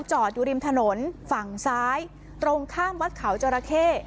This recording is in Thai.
จอดอยู่ริมถนนฝั่งซ้ายตรงข้ามวัดเขาจราเข้